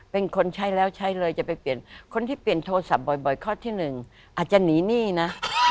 เป็นคนใช้แล้วใช้เลยจะไปเปลี่ยนคนที่เปลี่ยนโทรศัพท์บ่อยข้อที่หนึ่งอาจจะหนีหนี้นะ